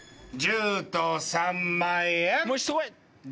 １０と３万！